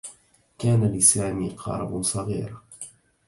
كان لسامي قارب صغير